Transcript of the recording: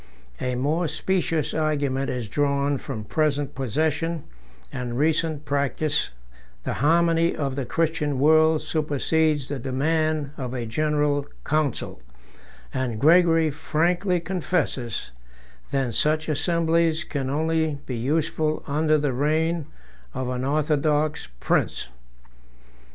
A more specious argument is drawn from present possession and recent practice the harmony of the Christian world supersedes the demand of a general council; and Gregory frankly confesses, than such assemblies can only be useful under the reign of an orthodox prince.